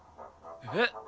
えっ？